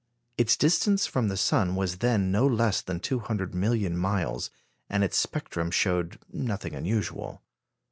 Its distance from the sun was then no less than 200 million miles, and its spectrum showed nothing unusual.